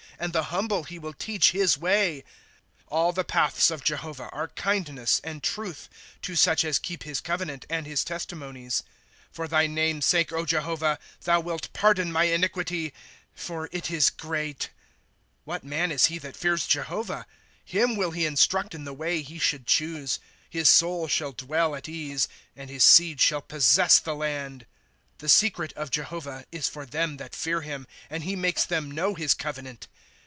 And the humble he will teach his way, " All the patba of Jehovah are kindness and truth, To such as keep his covenant and his testimonies. " For thy name's sake, Jehovah, Thou wilt pardon my iniquity, for it is great !" What man is he tha,t feai s Jeliovah? Him will he instruct in the way he should choose. " His soul shall dwell at ease. And his seed shall possess the land. '* The secret of Jehovah is for them that fear him. And he makes them know his covenant.